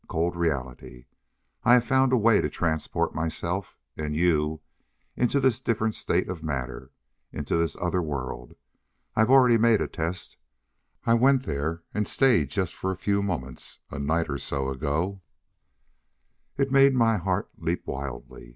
Cold reality! I've found a way to transport myself and you into this different state of matter, into this other world! I've already made a test. I went there and stayed just for a few moments, a night or so ago." It made my heart leap wildly.